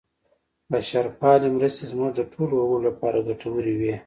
بشرپالې مرستې زموږ د ټولو وګړو لپاره ګټورې وې.